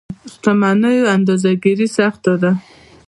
شتمنيو اندازه ګیري سخته ده.